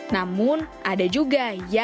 namun ada juga yang menurut mereka tidak